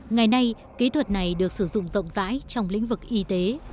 ngày nay kỹ thuật này được sử dụng rộng rãi trong lĩnh vực y tế